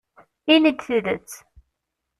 Ini-d tidet.